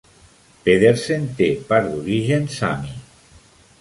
Pedersen té part d'origen sami.